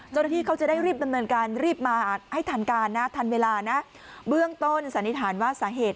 เจ้าหน้าที่เขาจะได้รีบดำเนินการรีบมาให้ทันการทันเวลานะ